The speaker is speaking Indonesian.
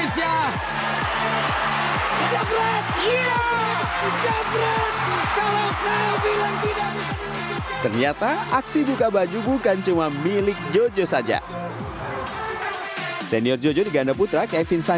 sampai jumpa di video selanjutnya